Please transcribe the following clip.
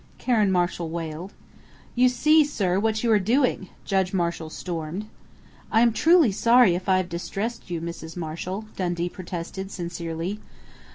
Karen Marshall wailed. "You see, sir, what you are doing!" Judge Marshall stormed. "I am truly sorry if I have distressed you, Mrs. Marshall," Dundee protested sincerely.